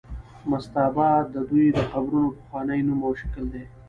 مستابه د دوی د قبرونو پخوانی نوم او شکل دی.